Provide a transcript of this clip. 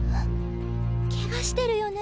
怪我してるよね？